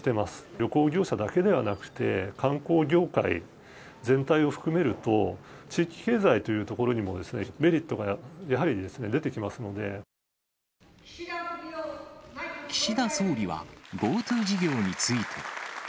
旅行業者だけではなくて、観光業界全体を含めると、地域経済というところにも、メリットがやはりですね、出てき岸田総理は、ＧｏＴｏ事業について。